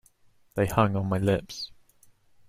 They hung on my lips.